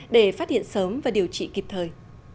để phát hiện sớm và điều trị kịp thời